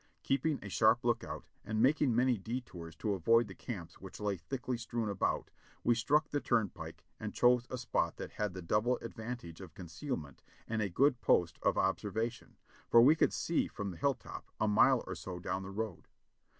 Keeping a sharp lookout and making many detours to avoid the camps which lay thickly strewn about, we struck the turn pike and chose a spot that had the double advantage of conceal ment and a good post of observation, for we could see from the hilltop, a mile or so down the road.